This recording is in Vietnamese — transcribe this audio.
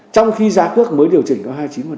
trong khi giá cước mới điều chỉnh có hai mươi chín